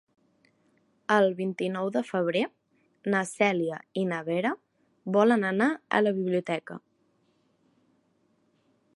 El vint-i-nou de febrer na Cèlia i na Vera volen anar a la biblioteca.